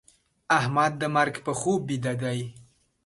احمد د مرګ په خوب بيده دی.